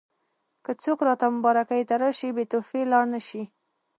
که څوک راته مبارکۍ ته راشي بې تحفې لاړ نه شي.